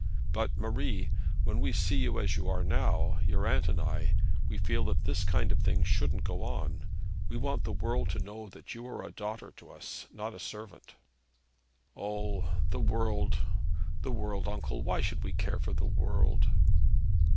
But, Marie, when we see you as you are now your aunt and I we feel that this kind of thing shouldn't go on. We want the world to know that you are a daughter to us, not a servant.' 'O, the world the world, uncle! Why should we care for the world?'